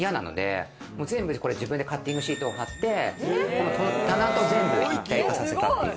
全部自分でカッティングシートを貼って棚と全部一体化させたっていう。